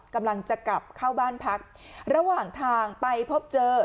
กำลังจะกลับเข้าบ้านพักระหว่างทางไปพบเจอ